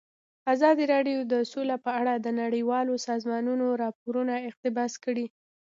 ازادي راډیو د سوله په اړه د نړیوالو سازمانونو راپورونه اقتباس کړي.